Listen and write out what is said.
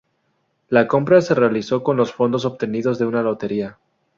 La compra se realizó con los fondos obtenidos de una lotería.